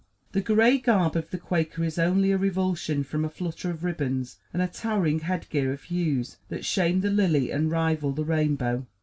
The gray garb of the Quaker is only a revulsion from a flutter of ribbons and a towering headgear of hues that shame the lily and rival the rainbow.